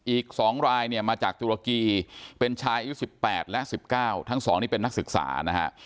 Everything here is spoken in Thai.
อีกสองรายเนี่ยมาจากจุรกีเป็นชายอายุสิบแปดและสิบเก้าทั้งสองนี่เป็นนักศึกษานะฮะ